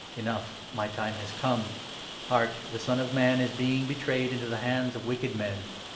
Enough ! My time has come. Hark ! the Son of Man is being betrayed into the hands of wicked men.